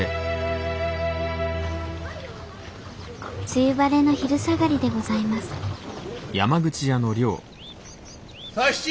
梅雨晴れの昼下がりでございます佐七！